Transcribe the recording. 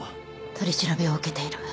取り調べを受けている。